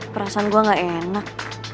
perasaan gue gak enak